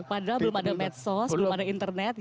padahal belum ada medsos belum ada internet